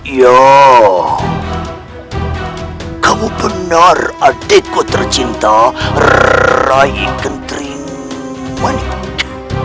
ya kamu benar adikku tercinta rai gentrimanik